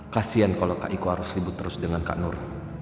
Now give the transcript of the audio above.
kasian kalau kak iko harus ribut terus dengan kak nur